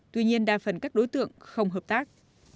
tuy nhiên đa phần các đối tượng không hợp tác